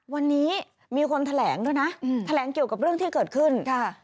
วันนี้มีคนแถลงด้วยนะแถลงเกี่ยวกับเรื่องที่เกิดขึ้นค่ะ